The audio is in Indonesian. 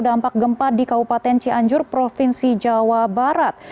dampak gempa di kabupaten cianjur provinsi jawa barat